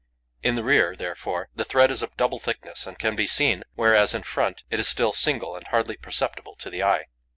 In the rear, therefore, the thread is of double thickness and can be seen, whereas, in front, it is still single and hardly perceptible to the eye.